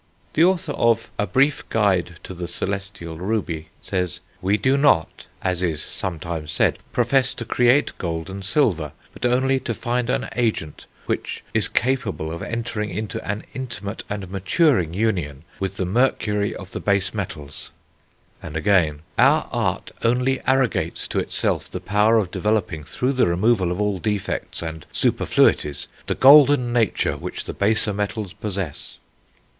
The author of A Brief Guide to the Celestial Ruby says: "We do not, as is sometimes said, profess to create gold and silver, but only to find an agent which ... is capable of entering into an intimate and maturing union with the Mercury of the base metals." And again: "Our Art ... only arrogates to itself the power of developing, through the removal of all defects and superfluities, the golden nature which the baser metals possess."